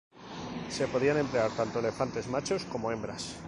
Se podían emplear tanto elefantes machos como hembras.